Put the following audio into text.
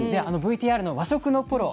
ＶＴＲの和食のプロ